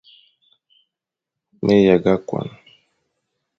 Me yagha kon,